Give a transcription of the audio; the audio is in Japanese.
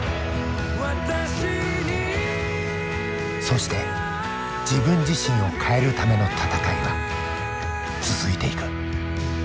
そして自分自身を変えるための戦いは続いていく。